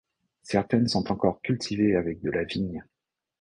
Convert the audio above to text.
Certaines sont encore cultivées avec de la vigne.